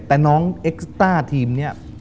แต่น้องเอ็กซ์ต้าทีมเนี่ย